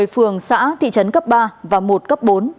một mươi phường xã thị trấn cấp ba và một cấp bốn